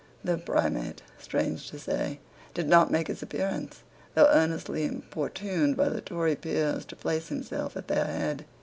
The Primate, strange to say, did not make his appearance, though earnestly importuned by the Tory peers to place himself at their head.